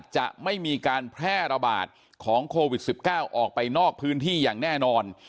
จะไม่มีการแพร่ระบาดของโควิด๑๙ออกไปนอกพื้นที่อย่างแน่นอน